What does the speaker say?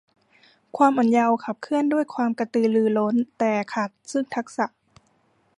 ความอ่อนเยาว์ขับเคลื่อนด้วยความกระตือรือร้น แต่ขาดซึ่งทักษะ